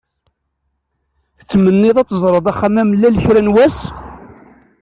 Tettmenniḍ-d ad d-teẓreḍ Axxam-Amellal kra n wass?